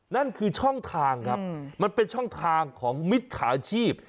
นั่นคือช่องทางครับมันเป็นช่องทางของมิจฉาชีพ